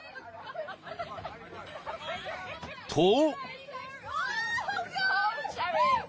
［と］